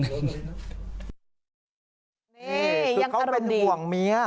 นี่ยังเป็นกว่องเมีย